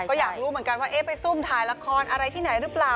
ก็อยากรู้เหมือนกันว่าเอ๊ะไปซุ่มถ่ายละครอะไรที่ไหนหรือเปล่า